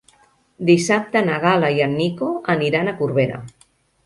Dissabte na Gal·la i en Nico aniran a Corbera.